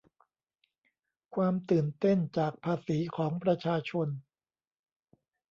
ความตื่นเต้นจากภาษีประชาชน